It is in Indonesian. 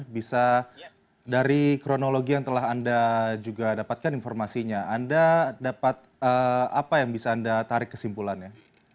bisa dari kronologi yang telah anda juga dapatkan informasinya anda dapat apa yang bisa anda tarik kesimpulannya